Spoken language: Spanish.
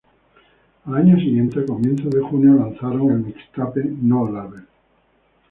Al año siguiente, a comienzos de junio, lanzaron el mixtape "No Label".